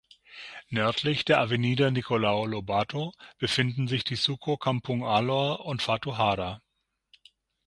Nördlich der "Avenida Nicolau Lobato" befinden sich die Suco Kampung Alor und Fatuhada.